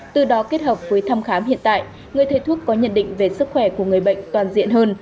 từ đó kết hợp với thăm khám hiện tại người thầy thuốc có nhận định về sức khỏe của người bệnh toàn diện hơn